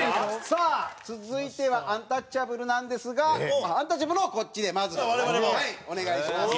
さあ続いてはアンタッチャブルなんですがアンタッチャブルもこっちでまずお願いします。